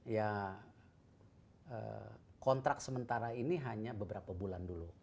ya kontrak sementara ini hanya beberapa bulan dulu